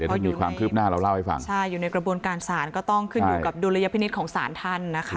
ถ้ามีความคืบหน้าเราเล่าให้ฟังใช่อยู่ในกระบวนการศาลก็ต้องขึ้นอยู่กับดุลยพินิษฐ์ของศาลท่านนะคะ